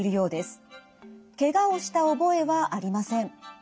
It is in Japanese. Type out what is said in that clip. ケガをした覚えはありません。